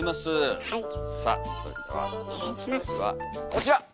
さあそれではこちら！